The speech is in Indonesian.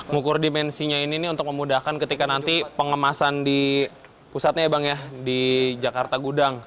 mukur dimensinya ini untuk memudahkan ketika nanti pengemasan di pusatnya ya bang ya di jakarta gudang